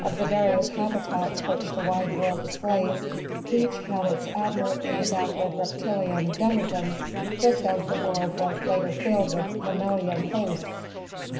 the various habitats which the wide world displays, each had its admirably adapted reptilian denizens just as the world was later filled with mammalian hosts.